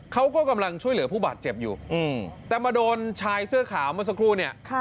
เขาก็กำลังช่วยเหลือผู้บาดเจ็บอยู่แต่มาโดนชายเสื้อขาวเมื่อสักครู่เนี่ย